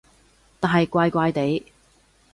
但係怪怪地